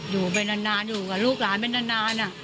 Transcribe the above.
อยู่ไปนานอยู่กับลูกหลานไปนาน